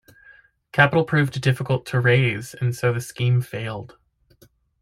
Capital proved difficult to raise and so the scheme failed.